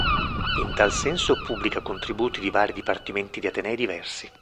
In tal senso pubblica contributi di vari dipartimenti di atenei diversi.